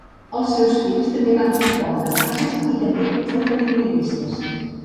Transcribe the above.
Els seus fills també van compondre danses i també foren violinistes.